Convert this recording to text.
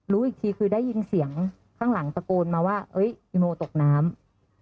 รู้อีกทีคือได้ยินเสียงข้างหลังตะโกนมาว่าอีโมตกน้ำ